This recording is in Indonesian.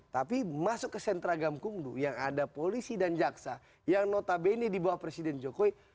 tapi masuk ke sentra gamkung yang ada polisi dan jaksa yang notabene dibawa presiden jokowi